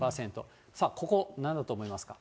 さあ、ここなんだと思いますか。